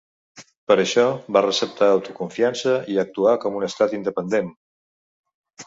Per això, va receptar autoconfiança i actuar com un estat independent.